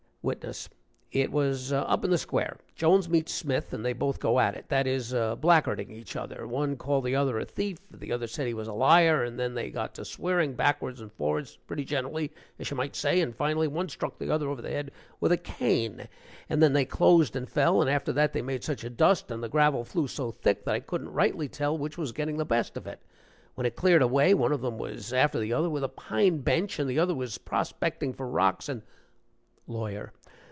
WITNESS. "It was up in the Square. Jones meets Smith, and they both go at it that is, blackguarding each other. One called the other a thief, and the other said he was a liar, and then they got to swearing backwards and forwards pretty generally, as you might say, and finally one struck the other over the head with a cane, and then they closed and fell, and after that they made such a dust and the gravel flew so thick that I couldn't rightly tell which was getting the best of it. When it cleared away, one of them was after the other with a pine bench, and the other was prospecting for rocks, and " LAWYER.